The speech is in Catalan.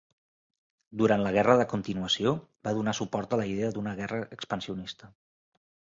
Durant la Guerra de Continuació va donar suport a la idea d'una guerra expansionista.